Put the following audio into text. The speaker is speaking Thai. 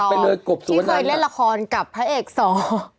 ไม่เคยเล่นละครกับพระเอกสอง